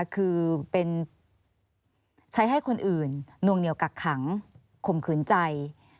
คือเป็นใช้ให้คนอื่นนวงเหนียวกักขังข่มขืนใจ